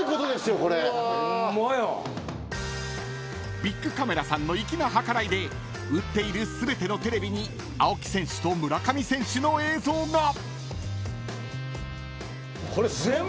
［ビックカメラさんの粋な計らいで売っている全てのテレビに青木選手と村上選手の映像が］これ全部？